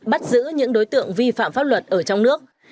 bắt giữ những đối tượng vi phạm pháp luật ở trong nước